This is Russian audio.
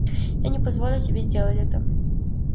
Я не позволю тебе сделать это.